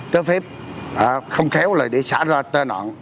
cho phép không khéo lời để xả ra tên oạn